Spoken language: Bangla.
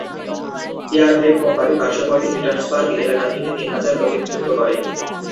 এয়ার ব্রেক কোম্পানি পার্শ্ববর্তী পিটসবার্গ এলাকা থেকে তিন হাজার লোককে নিযুক্ত করে।